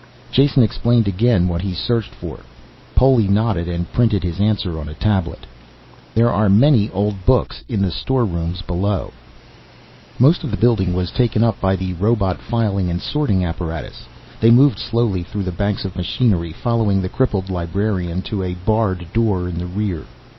Jason explained again what he searched for. Poli nodded and printed his answer on a tablet. there are many old books in the storerooms below Most of the building was taken up by the robot filing and sorting apparatus. They moved slowly through the banks of machinery, following the crippled librarian to a barred door in the rear.